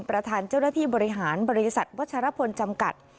ประธานเจ้าหน้าที่บริหารบริษัทวัชรพลจำกัด